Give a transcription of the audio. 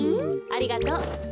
ありがとう。